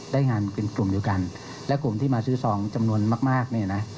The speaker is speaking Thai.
ได้งานเป็นกลุ่มเดียวกันและกลุ่มที่มาซื้อซองจำนวนมากมากเนี่ยนะ